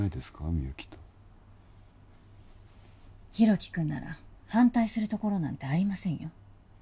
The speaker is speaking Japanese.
みゆきと大樹君なら反対するところなんてありませんよ